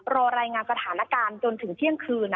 รายงานสถานการณ์จนถึงเที่ยงคืน